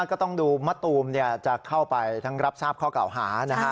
ก็ต้องดูมะตูมจะเข้าไปทั้งรับทราบข้อกล่าวหานะฮะ